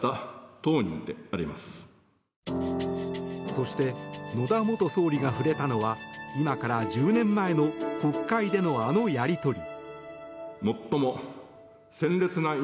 そして野田元総理が触れたのは今から１０年前の国会でのあのやり取り。